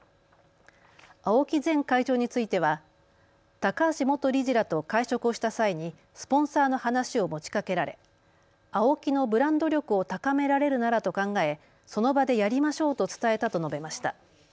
青木前会長については高橋元理事らと会食をした際にスポンサーの話を持ちかけられＡＯＫＩのブランド力を高められるならと考えその場でやりましょうと伝えたと述べました。